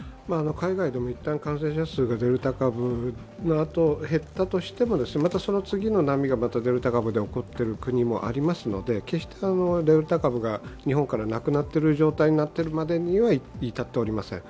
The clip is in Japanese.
海外でも一旦感染者数がデルタ株のあと、減ったとしてもまたその次の波がまたデルタ株で起こっている国もありますので決してデルタ株が日本からなくなっている状態までには至っておりません。